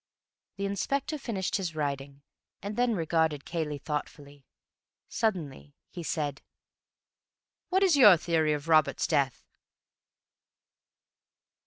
The inspector finished his writing, and then regarded Cayley thoughtfully. Suddenly he said: "What is your theory of Robert's death?"